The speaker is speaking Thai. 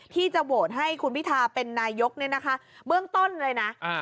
โทรเช็คโทรทุกวันเลยนะ